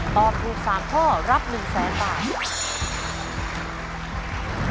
ตอบถูก๓ข้อรับ๑๐๐๐๐๐บาท